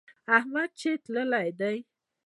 احمد چې تللی دی.